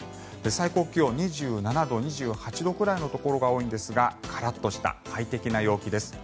最高気温、２７度２８度ぐらいのところが多いんですがカラッとした快適な陽気です。